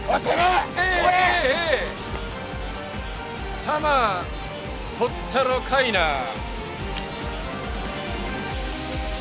とったろかいな。